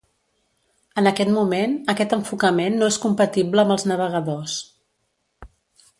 En aquest moment, aquest enfocament no és compatible amb els navegadors.